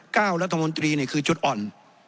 ก้าวรัฐมนตรีนี่คือจุดอ่อน